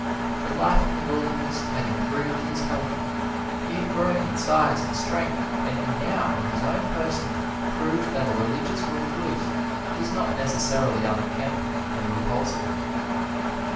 The life in the wilderness had improved his health. He had grown in size and strength and he now, in his own person, proved that a religious recluse was not necessarily unkempt and repulsive.